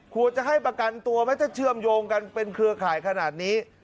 ควรจะให้ประกันตัวไหมถ้าเชื่อมโยงกันเป็นเครือข่ายขนาดนี้